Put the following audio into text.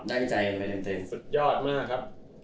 ได้ใจสุดยอดมากครับ